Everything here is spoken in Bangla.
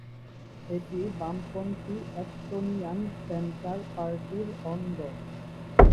এটি বামপন্থী এস্তোনিয়ান সেন্টার পার্টির অঙ্গ।